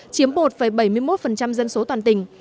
chiếm một bảy mươi một dân số toàn tỉnh